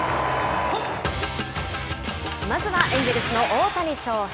まずはエンジェルスの大谷翔平。